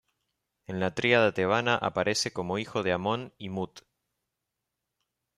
En la tríada tebana aparece como hijo de Amón y Mut.